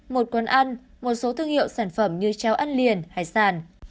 một quán ăn một số thương hiệu sản phẩm như treo ăn liền hải sản